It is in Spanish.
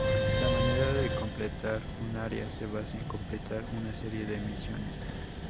La manera de completar un área se basa en completar una serie de misiones.